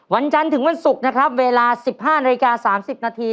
วันจันทร์ถึงวันศุกร์นะครับเวลา๑๕นาฬิกา๓๐นาที